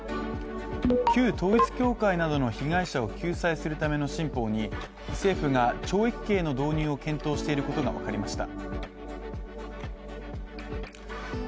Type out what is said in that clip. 旧統一教会などの被害者を救済するための新法に政府が懲役刑の導入を検討していることが分かりました。